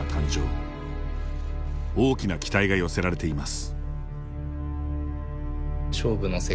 大きな期待が寄せられています。